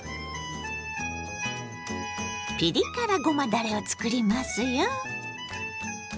ピリ辛ごまだれを作りますよ。